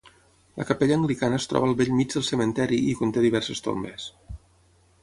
La capella anglicana es troba al bell mig del cementiri i conté diverses tombes.